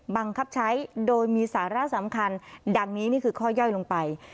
บังคับใช้โดยมีสาระสำคัญดังนี้นี่คือข้อย่อยลงไป